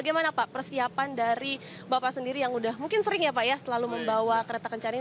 bagaimana pak persiapan dari bapak sendiri yang udah mungkin sering ya pak ya selalu membawa kereta kencan ini